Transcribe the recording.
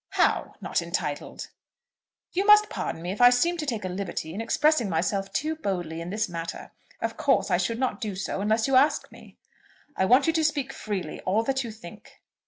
"How not entitled?" "You must pardon me if I seem to take a liberty in expressing myself too boldly in this matter. Of course I should not do so unless you asked me." "I want you to speak freely, all that you think."